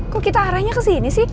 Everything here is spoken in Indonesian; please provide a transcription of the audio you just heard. kok kita arahnya kesini sih